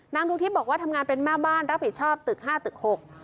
ดวงทิพย์บอกว่าทำงานเป็นแม่บ้านรับผิดชอบตึกห้าตึกหก